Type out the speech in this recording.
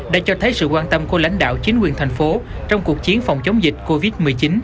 đã cho thấy sự quan tâm của lãnh đạo chính quyền thành phố trong cuộc chiến phòng chống dịch covid một mươi chín